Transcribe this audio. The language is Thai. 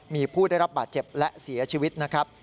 มีผู้ได้รับบาดเจ็บและเสียชีวิตนะครับ